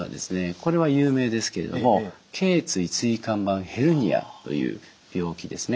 これは有名ですけれどもけい椎椎間板ヘルニアという病気ですね。